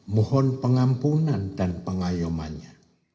mohon pengampunan dan pengayomannya